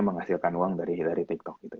menghasilkan uang dari hillary tiktok gitu